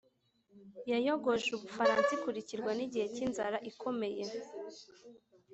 yayogoje ubufaransa ikurikirwa n’igihe cy’inzara ikomeye